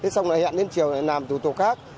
xong rồi hẹn đến chiều lại làm thủ tục khác